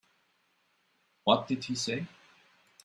What did she say?